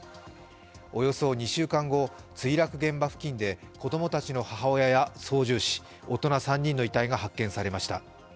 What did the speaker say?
およそ２週間後、墜落現場付近で子供たちの母親や操縦士、大人３人の遺体が発見されました。